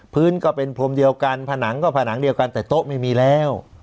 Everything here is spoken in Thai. ก็เป็นพรมเดียวกันผนังก็ผนังเดียวกันแต่โต๊ะไม่มีแล้ว